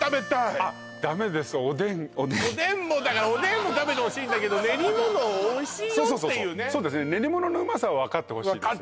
おでんもだからおでんも食べてほしいんだけどそうそうそうそうですね分かってほしい